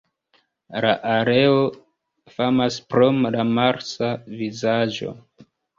La areo famas pro la Marsa vizaĝo.